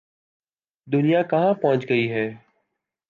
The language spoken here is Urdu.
دنیا کہاں پہنچ گئی ہے۔